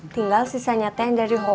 tinggal sisanya teh dari ho won